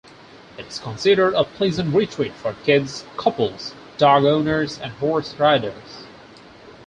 It is considered a pleasant retreat for kids, couples, dog owners and horse riders.